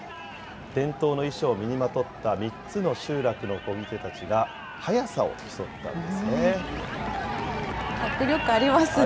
伝統の衣装を身にまとった３つの集落のこぎ手たちが速さを競った迫力ありますね。